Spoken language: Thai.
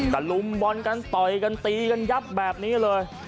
ลุมบอลกันต่อยกันตีกันยับแบบนี้เลย